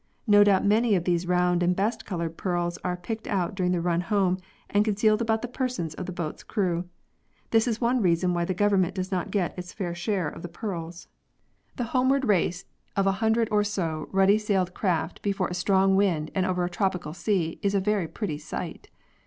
No doubt many of these round and best coloured pearls are picked out during the run home and concealed about the persons of the boats' crew. This is one reason why the Government does not get its fair share of the pearls. 80 PEARLS [CH. The homeward race of a hundred or so ruddy sailed craft before a strong wind and over a tropical sea is a very pretty sight.